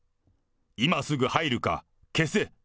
今すぐ入るか、消せ。